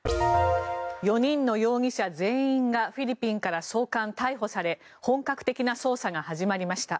４人の容疑者全員がフィリピンから送還・逮捕され本格的な捜査が始まりました。